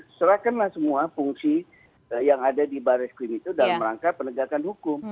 serahkanlah semua fungsi yang ada di baris krim itu dalam rangka penegakan hukum